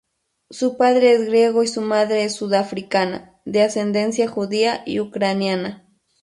Su padre es griego y su madre es sudafricana, de ascendencia judía y ucraniana.